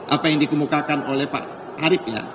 apa yang dikemukakan oleh pak arief ya